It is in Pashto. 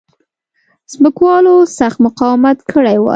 ځمکوالو سخت مقاومت کړی وای.